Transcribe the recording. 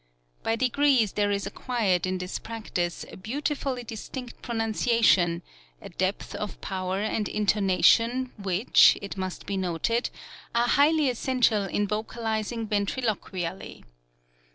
By degrees there is acquired in this practice a beautifully distinct pronuncia tion, a depth of power and intonation which, it must be noted, are highly essential in vocalizing ventriloquially.